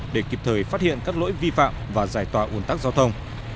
để kịp thời phát hiện các lỗi vi phạm và giải tỏa ủn tắc giao thông